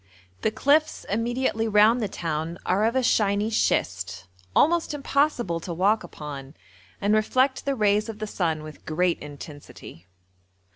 The cliffs immediately round the town are of a shiny schist, almost impossible to walk upon, and reflect the rays of the sun with great intensity.